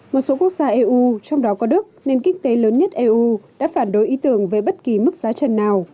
một số quốc gia eu trong đó có đức nền kinh tế lớn nhất eu đã phản đối ý tưởng về bất kỳ mức giá trần nào